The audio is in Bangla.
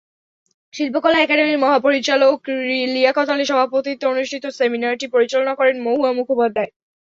শিল্পকলা একাডেমির মহাপরিচালক লিয়াকত আলীর সভাপতিত্বে অনুষ্ঠিত সেমিনারটি পরিচালনা করেন মহুয়া মুখোপাধ্যায়।